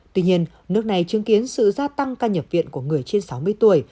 tuy nhiên nước này chứng kiến sự gia tăng ca nhập viện của người trên sáu mươi tuổi